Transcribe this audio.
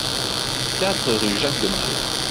quatre rue Jacques d'Aumale